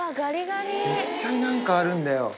絶対、何かあるんだよ。